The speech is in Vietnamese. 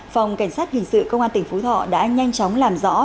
phòng cảnh sát hình sự công an tỉnh phú thọ đã nhanh chóng làm rõ